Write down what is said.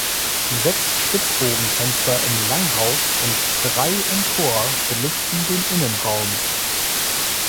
Sechs Spitzbogenfenster im Langhaus und drei im Chor belichten den Innenraum.